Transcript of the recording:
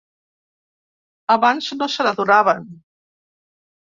Abans no se n’adonaven.